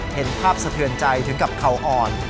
เห็นภาพเสียชีวิตสะเทือนใจถึงกับเขาอ่อน